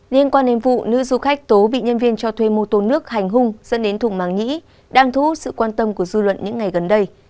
liên quan đến vụ nữ du khách tố bị nhân viên cho thuê mô tồn nước hành hung dẫn đến thủng mạng nhĩ đăng thú sự quan tâm của du luận những ngày gần đây